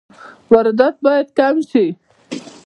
واردات باید کم شي